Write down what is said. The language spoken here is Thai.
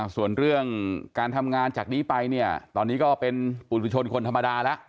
ส่วนเรื่องการทำงานจากนี้ไปเนี่ยตอนนี้ก็เป็นปุฏิชนคนธรรมดาแล้ว